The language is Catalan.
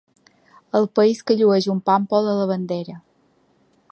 El país que llueix un pàmpol a la bandera.